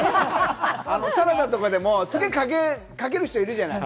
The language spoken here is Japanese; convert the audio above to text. サラダとかでも、すげえかける人いるじゃない？